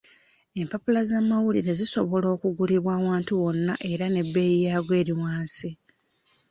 Empapula z'amawulire zisobola okugulibwa awantu wonna era n'ebbeeyi yaago eri wansi.